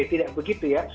tidak begitu ya